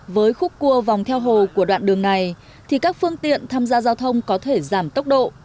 với khúc cua vòng theo hồ của đoạn đường này thì các phương tiện tham gia giao thông có thể giảm tốc độ